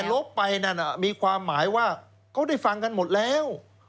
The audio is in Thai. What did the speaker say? ลบไปนั่นมีความหมายว่าเขาได้ฟังกันหมดแล้ว